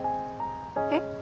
えっ？